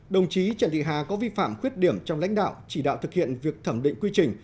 đồng chí trần thị hà có vi phạm khuyết điểm trong lãnh đạo chỉ đạo thực hiện việc thẩm định quy trình